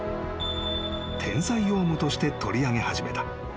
［天才ヨウムとして取り上げ始めた］